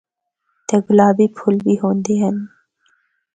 تے گلابی پُھل بھی ہوندے ہن۔